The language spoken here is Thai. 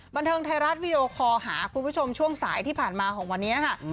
บันเทิงไทยรัฐวิดีโอคอลหาคุณผู้ชมช่วงสายที่ผ่านมาของวันนี้นะคะ